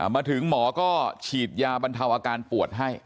มาถึงหมอก็ฉีดยาบรรเทาอาการปวดให้